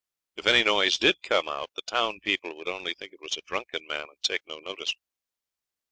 If any noise did come out the town people would only think it was a drunken man, and take no notice.